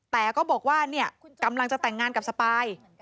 แต่ก็บอกว่าเนี่ยกำลังจะแต่งงานกับสปาย